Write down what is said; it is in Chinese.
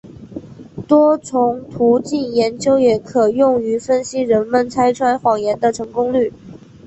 多重途径研究也可用于分析人们拆穿谎言的成功率。